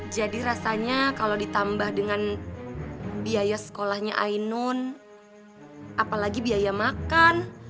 jadi rasanya kalau ditambah dengan biaya sekolahnya ainun apalagi biaya makan